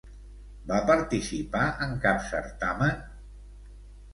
Va participar en cap certamen?